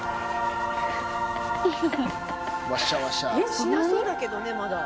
しなそうだけどねまだ。